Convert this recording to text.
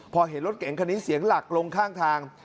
พอเห็นรถเก๋งคันนี้เสียงหลักลงข้างทาง